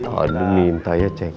aduh minta ya ceng